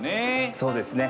そうですね。